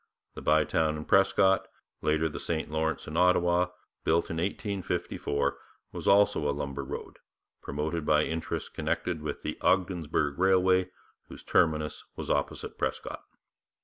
The Bytown and Prescott, later the St Lawrence and Ottawa, built in 1854, was also a lumber road, promoted by interests connected with the Ogdensburg Railway, whose terminus was opposite Prescott.